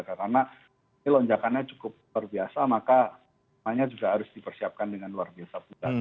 karena ini lonjakannya cukup terbiasa maka semuanya juga harus dipersiapkan dengan luar biasa